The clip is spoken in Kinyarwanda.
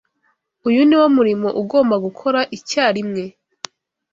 Uyu niwo murimo ugomba gukora icyarimwe.